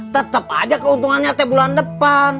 tetep aja keuntungannya teh bulan depan